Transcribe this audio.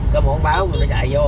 cơ mà không báo thì nó chạy vô